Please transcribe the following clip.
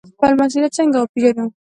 خپل مسوولیت څنګه وپیژنو؟